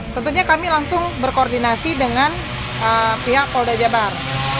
tentunya kami langsung berkoordinasi dengan pihak polda jabar